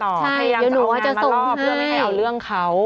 เดี๋ยวหนูเขาจะส่งเพื่อไม่ให้เอาเรื่องเขา